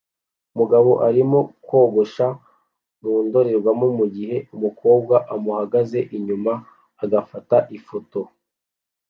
Umugabo arimo kogosha mu ndorerwamo mu gihe umukobwa amuhagaze inyuma agafata ifoto